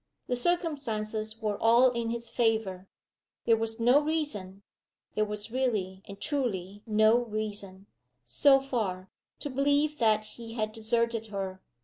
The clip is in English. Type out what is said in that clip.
The circumstances were all in his favor: there was no reason, there was really and truly no reason, so far, to believe that he had deserted her.